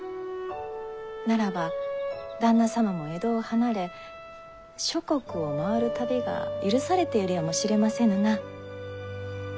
ならば旦那様も江戸を離れ諸国を回る旅が許されているやもしれませぬな。